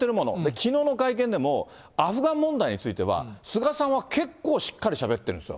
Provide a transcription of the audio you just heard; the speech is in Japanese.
きのうの会見でもアフガン問題については、菅さんは結構しっかりしゃべってるんですよ。